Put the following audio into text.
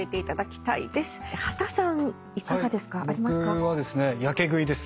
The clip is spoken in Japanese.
僕はですねやけ食いです。